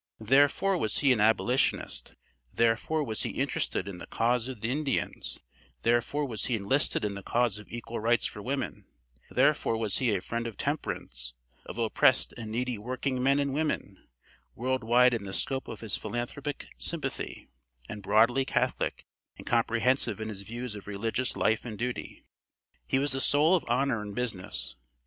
Therefore was he an abolitionist; therefore was he interested in the cause of the Indians; therefore was he enlisted in the cause of equal rights for women; therefore was he a friend of temperance, of oppressed and needy working men and women, world wide in the scope of his philanthropic sympathy, and broadly catholic, and comprehensive in his views of religious life and duty. He was the soul of honor in business.